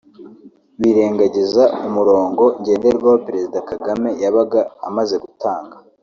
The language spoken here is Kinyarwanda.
birengagizaga umurongo ngenderwaho Président Kagame yabaga amaze gutanga